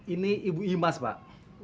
ini ibu imas pak